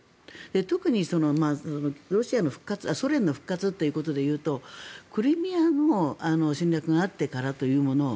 特にソ連の復活ということで言うとクリミアの侵略があってからというもの